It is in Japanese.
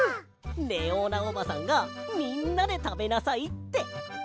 レオーナおばさんがみんなでたべなさいって。